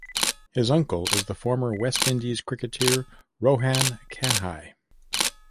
His uncle is the former West Indies cricketer Rohan Kanhai.